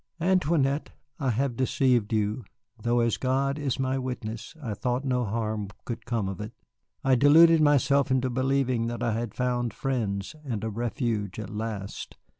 "Antoinette, I have deceived you, though as God is my witness, I thought no harm could come of it. I deluded myself into believing that I had found friends and a refuge at last.